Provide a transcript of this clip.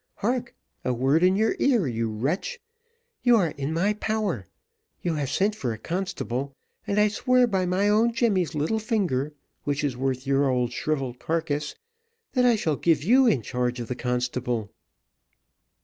Hark! a word in your ear, you wretch. You are in my power. You have sent for a constable, and I swear by my own Jemmy's little finger, which is worth your old shrivelled carcass, that I shall give you in charge of the constable."